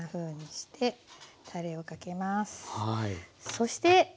そして。